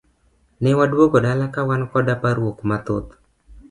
Ne waduogo dala kawan koda parruok mathoth.